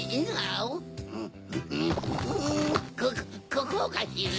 ここうかしら？